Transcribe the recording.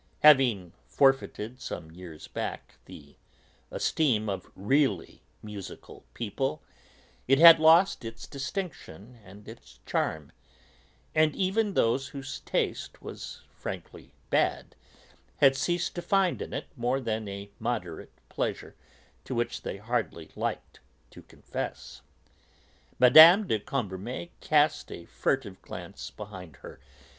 Having forfeited, some years back, the esteem of 'really musical' people, it had lost its distinction and its charm, and even those whose taste was frankly bad had ceased to find in it more than a moderate pleasure to which they hardly liked to confess. Mme. de Cambremer cast a furtive glance behind her.